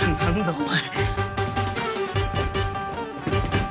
お前。